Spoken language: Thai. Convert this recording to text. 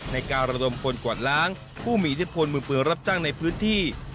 ในการระดมคนกวาดล้างผู้มีอิทธิพลมือปืนรับจ้างในพื้นที่